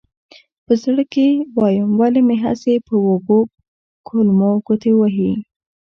په زړه کې وایم ولې مې هسې په وږو کولمو ګوتې وهې.